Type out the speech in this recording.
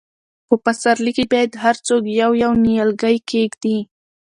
په پسرلي کې باید هر څوک یو، یو نیالګی کښېږدي.